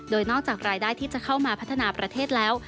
โดยนอกจากรายได้ที่จะเข้ามาพัฒนาประเทศแล้ว